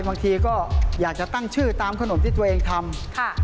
บางทีก็อยากจะตั้งชื่อตามขนมที่ตัวเองทำ